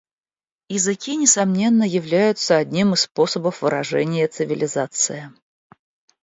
Языки, несомненно, являются одним из способов выражения цивилизации.